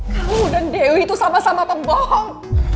kamu dan dewi itu sama sama pembohong